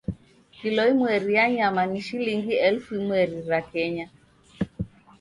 Kilo imweri ya nyama ni shilingi elfu imweri ra Kenya.